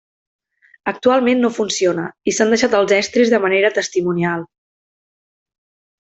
Actualment no funciona i s'han deixat els estris de manera testimonial.